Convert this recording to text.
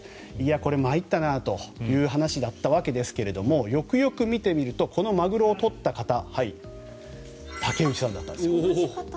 これ、参ったなという話だったわけですがよくよく見てみるとこのマグロを取った方竹内さんだったんですよ。